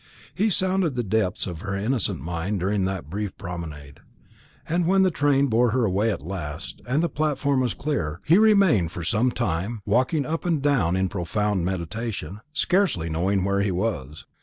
He sounded the depths of her innocent mind during that brief promenade; and when the train bore her away at last, and the platform was clear, he remained for some time walking up and down in profound meditation, scarcely knowing where he was.